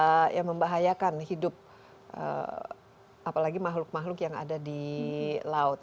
nah ini adalah yang membahayakan hidup apalagi makhluk makhluk yang ada di laut